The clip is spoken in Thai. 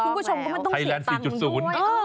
คุณผู้ชมก็ไม่ต้องเสียตังค์ด้วย